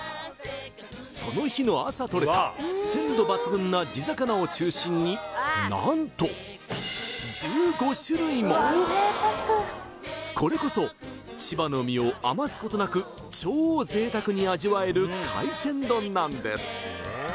その日の朝とれた鮮度抜群な地魚を中心に何とこれこそ千葉の海を余すことなく超贅沢に味わえる海鮮丼なんです